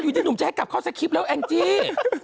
ที่หนุ่มจะให้กลับเข้าสคริปต์แล้วแองจี้